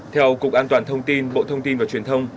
theo cục an toàn thông tin bộ thông tin và truyền thông